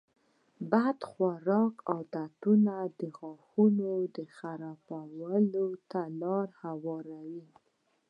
بد خوراکي عادتونه د غاښونو خرابوالي ته لاره هواروي.